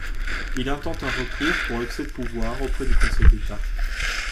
Il intente un recours pour excès de pouvoir auprès du Conseil d'État.